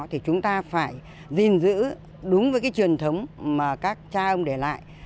thì chúng ta phải gìn giữ đúng với cái truyền thống mà các cha ông để lại